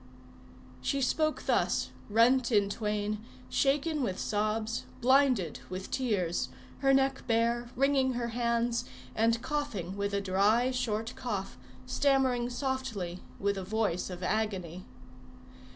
She spoke thus, rent in twain, shaken with sobs, blinded with tears, her neck bare, wringing her hands, and coughing with a dry, short cough, stammering softly with a voice of agony.